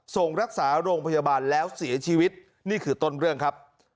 ส่งรักษาโรงพยาบาลแล้วเสียชีวิตนี่คือต้นเรื่องครับ